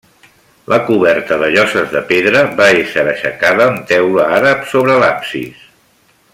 La coberta de lloses de pedra va ésser aixecada amb teula àrab sobre l'absis.